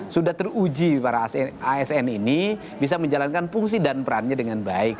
sudah teruji para asn ini bisa menjalankan fungsi dan perannya dengan baik